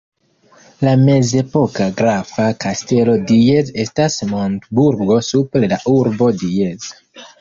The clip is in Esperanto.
La mezepoka grafa kastelo Diez estas montburgo super la urbo Diez.